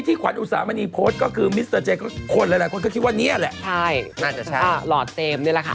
ใช่เข้าบันไดเหลือนี่แหล่ะค่ะ